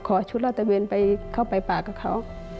ขอชุดราตเตอร์เวียนไปเข้าไปปากกับเขา